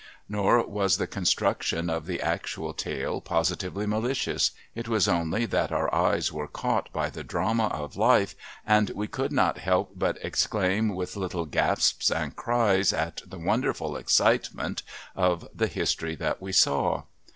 Nor was the construction of the actual tale positively malicious; it was only that our eyes were caught by the drama of life and we could not help but exclaim with little gasps and cries at the wonderful excitement of the history that we saw.